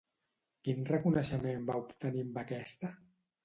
Quin reconeixement va obtenir amb aquesta?